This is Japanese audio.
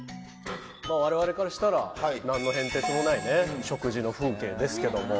我々からしたらなんの変哲もないね食事の風景ですけども。